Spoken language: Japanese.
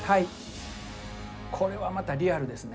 これはまたリアルですね。